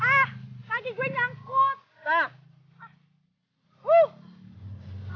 ah kaki gue nyangkut